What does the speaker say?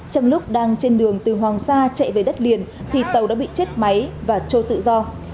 trong lúc đang trên đường từ hoàng sa chạy về đất liền thì tàu đã bị chết máy và trôi tự do